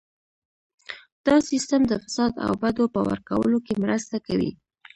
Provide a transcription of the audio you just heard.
دا سیستم د فساد او بډو په ورکولو کې مرسته کوي.